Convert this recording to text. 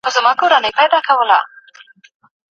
تيرې ترخې تاريخي پيښې اوس د عبرت لپاره په کتابونو کي ليکل کيږي.